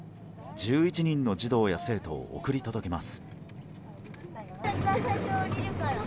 １１人の児童や生徒を送り届けます。